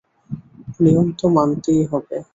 নিয়ম তো মানতেই হবে।